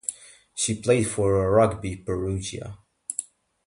She played for Rugby Perugia.